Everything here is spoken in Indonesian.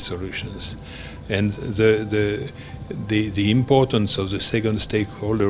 dan pentingnya dalam meeting second stakeholder